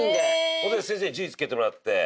それで先生に順位つけてもらって。